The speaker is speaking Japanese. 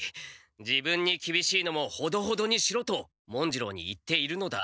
自分にきびしいのもほどほどにしろと文次郎に言っているのだ。